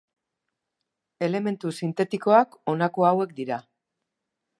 Elementu sintetikoak honako hauek dira.